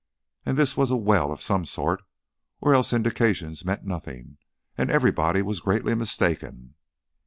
And this was a well of some sort, or else indications meant nothing and everybody was greatly mistaken.